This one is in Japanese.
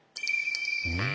うん？